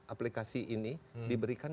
aplikasi ini diberikan